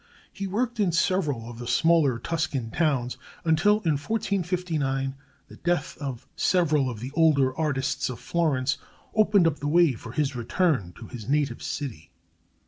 He worked in several of the smaller Tuscan towns, until in 1459 the death of several of the older artists of Florence opened up the way for his return to his native city.